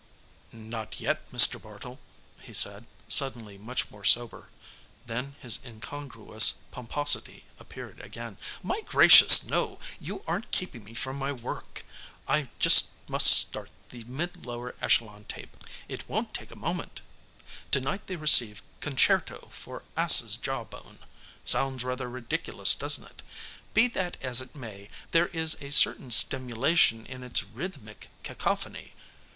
"Not yet, Mr. Bartle," he said, suddenly much more sober. Then his incongruous pomposity appeared again. "My gracious, no, you aren't keeping me from my work. I just must start the Mid Lower Echelon tape. It won't take a moment. Tonight, they receive 'Concerto For Ass's Jawbone.' Sounds rather ridiculous, doesn't it? Be that as it may, there is a certain stimulation in its rhythmic cacophony.